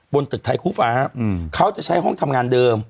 บนตึกไทยคู่ฟ้าเขาจะใช้ห้องทำงานเดิม